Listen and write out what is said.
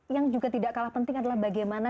yang juga tidak kalah penting adalah bagaimana